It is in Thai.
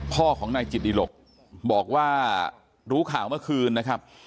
พ่อของนายจิตดิหลกบอกว่ารู้ข่าวเมื่อคืนนะครับ